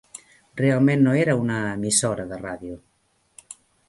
Realment no era una "emissora" de ràdio.